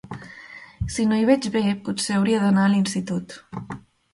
Si no hi veig bé, potser hauria d'anar a l'institut.